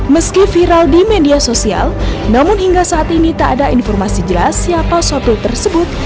meski viral di media sosial namun hingga saat ini tak ada informasi jelas siapa sopir tersebut